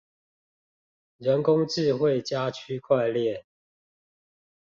人工智慧加區塊鏈